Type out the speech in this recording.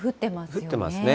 降ってますね。